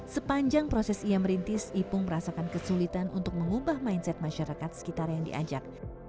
sepanjang proses ia merintis ipung merasakan kesulitan untuk mengubah mindset masyarakat sekitar yang diajak